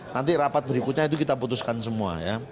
nanti rapat berikutnya itu kita putuskan semua ya